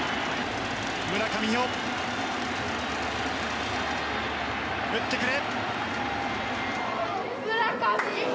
村上よ、打ってくれ！